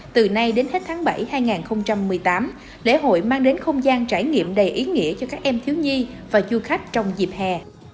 từ nay đến hết tháng bảy hai nghìn một mươi tám lễ hội mang đến không gian trải nghiệm đầy ý nghĩa cho các em thiếu nhi và du khách trong dịp hè